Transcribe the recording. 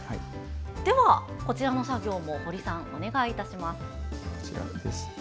では、こちらの作業も堀さん、お願いいたします。